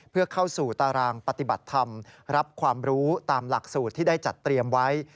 เพื่อเข้าสู่ตารางปฏิบัติธรรมรับความรู้ตามหลักสูตรที่ได้จัดเตรียมไว้